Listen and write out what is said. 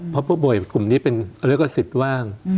เพราะพวกบ่วยกลุ่มนี้เป็นเรื่องกษิตว่าง